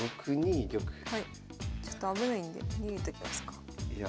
ちょっと危ないんで逃げときますか。